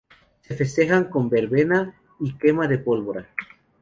Se festejan con verbena y quema de pólvora.